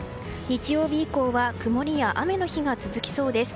日曜日以降は曇りや雨の日が続きそうです。